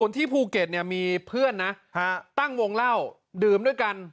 ที่ภูเก็ตเนี่ยมีเพื่อนนะตั้งวงเล่าดื่มด้วยกัน